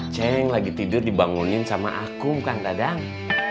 ceng lagi tidur dibangunin sama aku bukan dadang